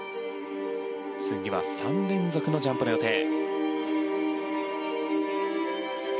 次は３連続のジャンプの予定。